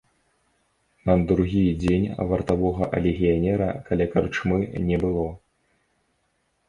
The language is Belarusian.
На другі дзень вартавога легіянера каля карчмы не было.